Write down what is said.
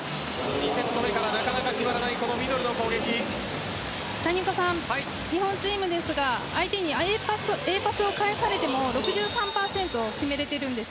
２セット目からなかなか決まらない日本チームですが相手にＡパスを返されても６３％、決められているんです。